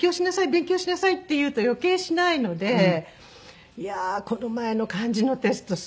勉強しなさい！」って言うと余計しないので「いやあこの前の漢字のテストすごい！」